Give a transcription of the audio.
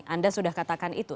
anda sudah katakan itu